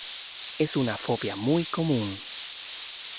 Es una fobia muy común.